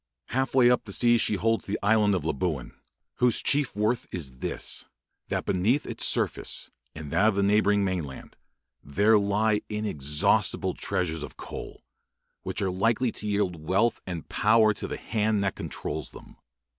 Half way up the sea she holds the island of Labuan, whose chief worth is this, that beneath its surface and that of the neighbouring mainland there lie inexhaustible treasures of coal, which are likely to yield wealth and power to the hand that controls them.